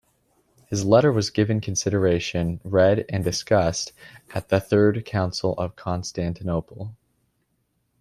His letter was given consideration, read and discussed at the Third Council of Constantinople.